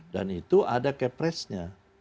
dan itu ada kepresnya